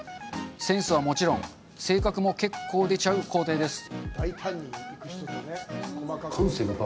センスはもちろん、性格も結構出ちゃう工程です。